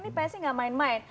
ini psi gak main main